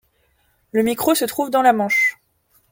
Le micro se trouve dans le manche.